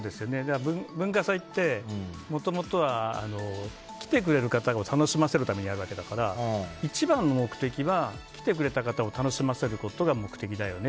文化祭ってもともとは来てくれる方を楽しませるためにやるわけだから一番の目的は来てくれた方を楽しませることが目的だよね。